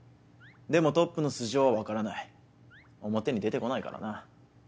でもトップの素性は分からない表に出て来ないからな。